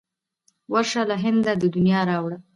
ورشه له هنده د نیا را وړه.